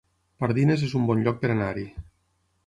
Pardines es un bon lloc per anar-hi